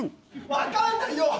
分かんないよ。